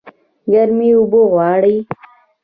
ګرمي اوبه غواړي